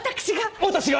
私が！